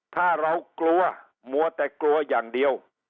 ถ้าเรากลัวมัวแต่กลัวอย่างเดียว